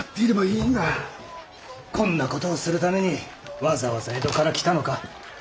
こんな事をするためにわざわざ江戸から来たのか。